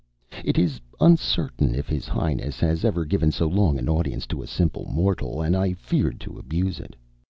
It is uncertain if his Highness has ever given so long an audience to a simple mortal, and I feared to abuse it.